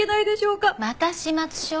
また始末書？